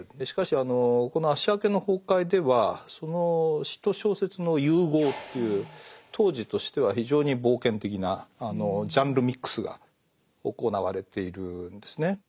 しかしこの「アッシャー家の崩壊」ではその詩と小説の融合という当時としては非常に冒険的なジャンルミックスが行われているんですね。